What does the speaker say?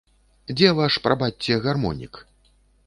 Дзе ваш, прабачце, гармонік?